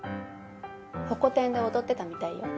ホコテンで踊ってたみたいよ。